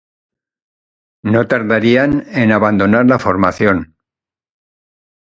No tardarían en abandonar la formación.